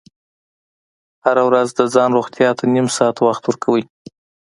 هره ورځ د ځان روغتیا ته نیم ساعت وخت ورکوئ.